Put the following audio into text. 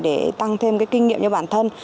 để tăng thêm kinh nghiệm cho bản thân